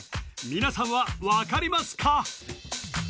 皆さんは分かりますか？